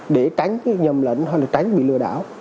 để tránh cái nhầm lệnh hay là tránh bị lừa đảo